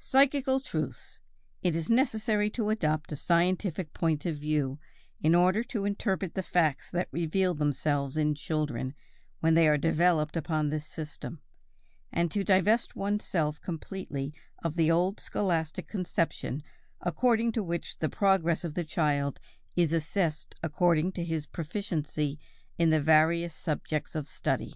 =Psychical truths=. It is necessary to adopt a scientific point of view in order to interpret the facts that reveal themselves in children when they are developed upon this system, and to divest oneself completely of the old scholastic conception according to which the progress of the child is assessed according to his proficiency in the various subjects of study.